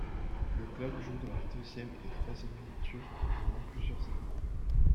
Le club joue dans les deuxième et troisième ligues turques pendant plusieurs années.